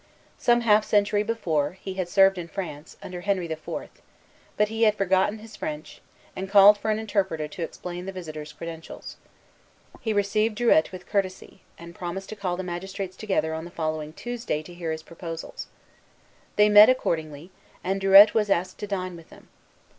Some half a century before, he had served in France, under Henry the Fourth; but he had forgotten his French, and called for an interpreter to explain the visitor's credentials. He received Druilletes with courtesy, and promised to call the magistrates together on the following Tuesday to hear his proposals. They met accordingly, and Druilletes was asked to dine with them.